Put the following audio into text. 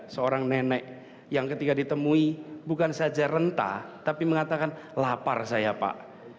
seorang nenek yang ketika ditemui bukan saja rentah tapi mengatakan lapar saya pak